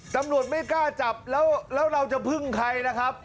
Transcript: ตำรวจไม่กล้าจับแล้วเราจะพึ่งใครล่ะครับ